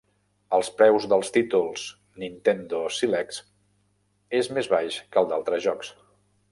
El preu dels títols "Nintendo Selects" 'es més baix que el d'altres jocs.